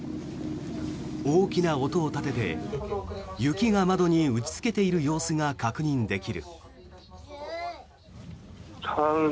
大きな音を立てて雪が窓に打ちつけている様子が確認できる。